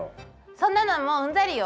そんなのはもううんざりよ！